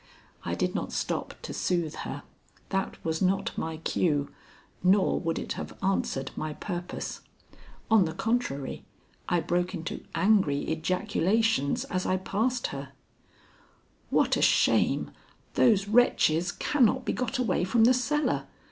I did not stop to soothe her. That was not my cue, nor would it have answered my purpose. On the contrary, I broke into angry ejaculations as I passed her: "What a shame! Those wretches cannot be got away from the cellar.